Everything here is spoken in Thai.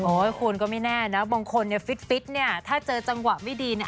คุณก็ไม่แน่นะบางคนเนี่ยฟิตเนี่ยถ้าเจอจังหวะไม่ดีเนี่ย